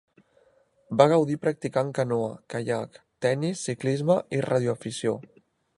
Va gaudir practicant canoa, caiac, tenis, ciclisme i ràdio-afició.